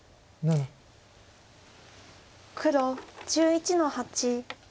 黒１１の八。